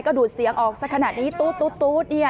ก็ดูดเสียงออกสักขนาดนี้ตู๊ดเนี่ย